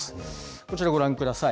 こちらご覧ください。